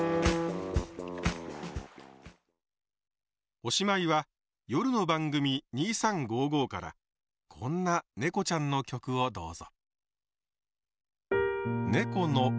おしまいは夜の番組「２３５５」からこんなねこちゃんの曲をどうぞ。